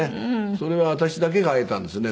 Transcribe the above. それは私だけが会えたんですよね。